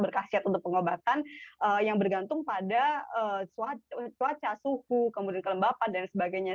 jadi ini adalah aset untuk pengobatan yang bergantung pada cuaca suhu kemudian kelembapan dan sebagainya